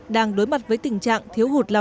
đang đối mặt với tình trạng thiếu hụt